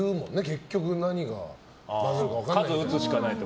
結局何がバズるか分からないって。